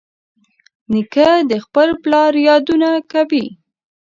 نیکه د خپل پلار یادونه کوي.